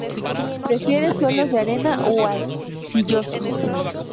Prefiere suelos de arena, o arcillosos.